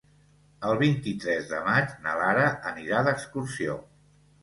El vint-i-tres de maig na Lara anirà d'excursió.